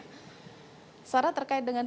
nah sarah terkait dengan